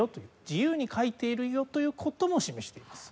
自由に書いているよという事も示しています。